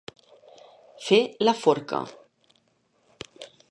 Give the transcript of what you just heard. Fer la forca.